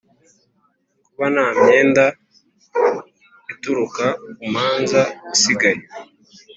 Kuba nta myenda ituruka ku manza isigaye